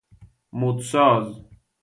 مدساز